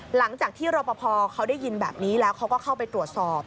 หลังจากที่รปภเขาได้ยินแบบนี้แล้วเขาก็เข้าไปตรวจสอบ